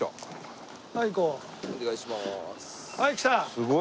すごい。